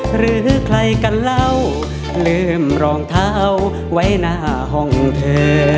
หรือใครกันเล่าลืมรองเท้าไว้หน้าห้องเธอ